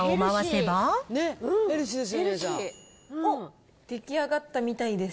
おっ、出来上がったみたいです。